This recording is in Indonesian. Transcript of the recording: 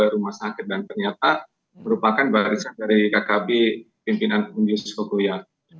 rumah sakit dan ternyata merupakan barisan dari kkb pimpinan unyusus kokoya